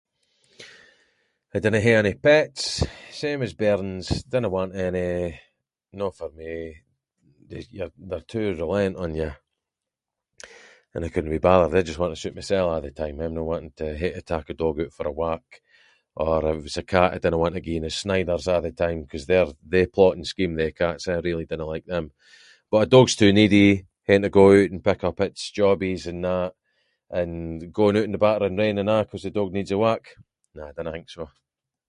I dinna hae any pets, same as bairns, dinna want any, no for me, they- you’r- they’re too reliant on you, and I couldnae be bothered, I’m just wanting to suit myself a’ the time, I’m no wanting to hae to take a dog oot for a walk, or if it’s a cat I dinna want it gieing its sniders a’ the time, cause they’re- they plot and scheme they cats, eh, I really dinna like them, but a dogs too needy, haeing to go oot and pick up its jobbies and that, and going oot in the battering rain and a’ ‘cause the dog needs a walk, nah, dinna think so.